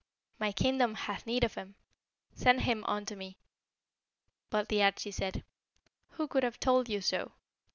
My kingdom hath need of him: send him unto me.' But the Arschi said, 'Who could have told you so?